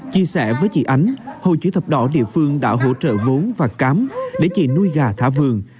chia sẻ với chị ánh hội chữ thập đỏ địa phương đã hỗ trợ vốn và cám để chị nuôi gà thả vườn